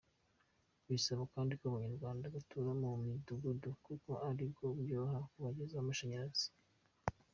Bisaba kandi ko Abanyarwanda batura mu midugudu kuko ari bwo byoroha kubagezaho amashanyarazi.